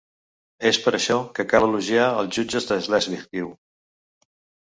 És per això que cal elogiar els jutges de Slesvig, diu.